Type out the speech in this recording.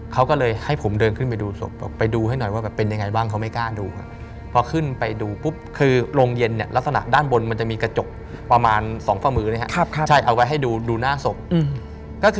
เขาก็เลยให้ผมเดินขึ้นไปดูศพไปดูให้หน่อยว่าแบบเป็นยังไงบ้างเขาไม่กล้าดูครับ